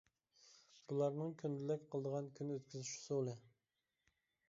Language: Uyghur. بۇلارنىڭ كۈندىلىك قىلىدىغان كۈن ئۆتكۈزۈش ئۇسۇلى.